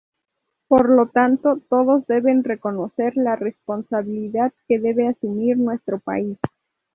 Por lo tanto, todos deben reconocer la responsabilidad que debe asumir nuestro país".